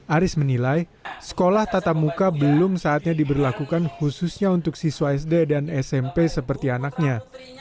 aris menilai sekolah tatap muka belum saatnya diberlakukan khususnya untuk siswa sd dan smp seperti anaknya